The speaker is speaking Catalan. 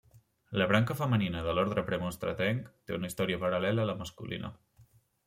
La branca femenina de l'Orde Premonstratenc té una història paral·lela a la masculina.